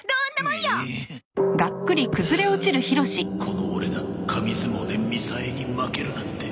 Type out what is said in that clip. このオレが紙相撲でみさえに負けるなんて。